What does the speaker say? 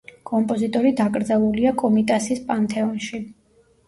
კომპოზიტორი დაკრძალულია კომიტასის პანთეონში.